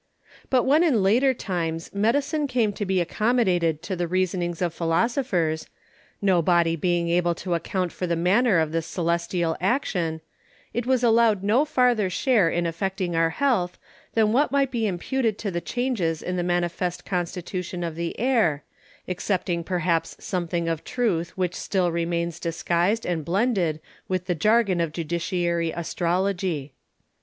But when in later Times Medicine came to be accommodated to the Reasonings of Philosophers; no body being able to account for the manner of this Celestial Action, It was allowed no farther share in affecting our Health, than what might be imputed to the changes in the manifest Constitution of the Air, excepting perhaps something of Truth which still remains disguised and blended with the Jargon of Judiciary Astrology.